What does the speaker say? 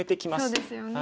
そうですよね。